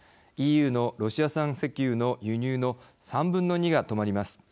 ＥＵのロシア産石油の輸入の３分の２が止まります。